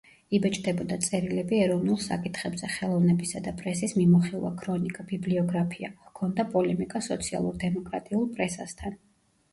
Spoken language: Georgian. იბეჭდებოდა წერილები ეროვნულ საკითხებზე, ხელოვნებისა და პრესის მიმოხილვა, ქრონიკა, ბიბლიოგრაფია; ჰქონდა პოლემიკა სოციალურ-დემოკრატიულ პრესასთან.